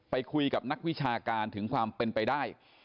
ไปคุยกับนักวิชาการถึงความเป็นไปได้